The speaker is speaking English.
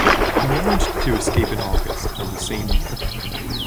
He managed to escape in August of the same year.